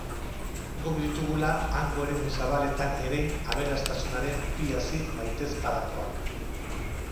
Guk ditugula hango eremu zabaletan erein aberastasunaren bi hazi baitezpadakoak.